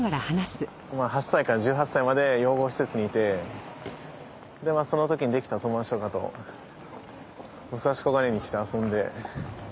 ８歳から１８歳まで養護施設にいてその時にできた友達とかと武蔵小金井に来て遊んで。